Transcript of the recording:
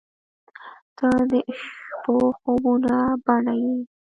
• ته د شپو خوبونو بڼه یې.